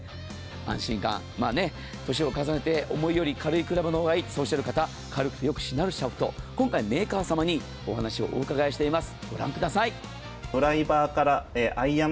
安心感、歳を重ねて重いより軽いクラブの方がいい、そうおっしゃる方、軽くてよくしなるシャフト、今回メーカー様にお話をお伺いしています。